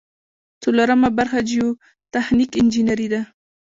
څلورمه برخه جیوتخنیک انجنیری ده.